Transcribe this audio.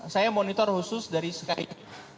saya monitor khusus dari sky